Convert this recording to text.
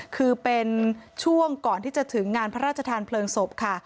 คือเป็นช่วงก่อนที่จะถึงงานพระราชทานเพลิงศพค่ะ